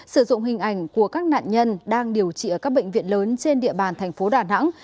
sử dụng hình ảnh của các nạn nhân đang điều trị ở các bệnh viện lớn trên địa bàn thành phố đà nẵng